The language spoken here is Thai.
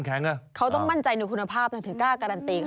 แสดงว่าเขาต้องมั่นใจในคุณภาพถึงกล้าการันตีค่ะ